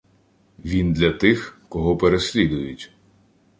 Він — для тих, кого переслідують